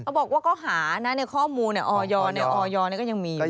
เขาบอกว่าก็หานะข้อมูลออยยก็ยังมีอยู่เลย